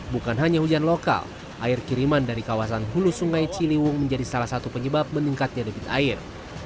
bukan hanya hujan lokal air kiriman dari kawasan hulu sungai ciliwung menjadi salah satu penyebab meningkatnya debit air